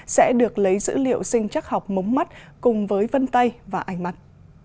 sẽ được lấy dữ liệu sinh chắc học mống mắt cùng với vân tay và ánh mắt